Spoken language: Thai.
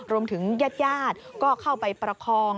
รวมถึงญาติก็เข้าไปประคอง